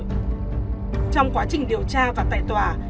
trong quá trình điều tra và tại tòa